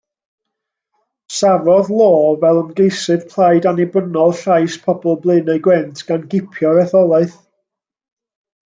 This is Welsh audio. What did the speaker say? Safodd Law fel ymgeisydd plaid Annibynnol Llais Pobl Blaenau Gwent gan gipio'r etholaeth.